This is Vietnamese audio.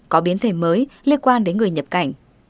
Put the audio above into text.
có biến thể mới liên quan đến người nhập cảnh